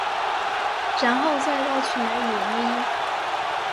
然后再绕去买羽绒衣